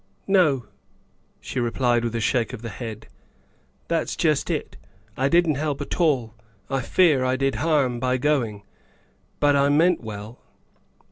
" No," she replied with a shake of the head, " that's just it. I didn't help at all. I I fear I did harm by going. But I meant well."